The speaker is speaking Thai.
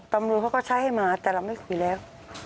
ตำรวจเขาก็ใช้ให้มาแต่เราไม่คุยแล้ว